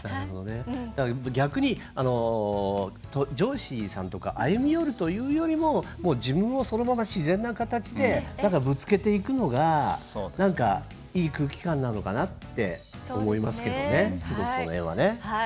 逆に上司さんとかが歩み寄るというよりももう自分をそのまま自然な形でぶつけていくのがなんか、いい空気感なのかなって思いますけどね、その辺はね。